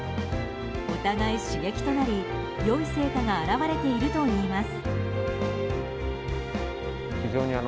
お互い刺激となり、良い成果が表れているといいます。